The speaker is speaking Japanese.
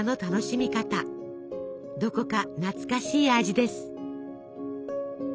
どこか懐かしい味です。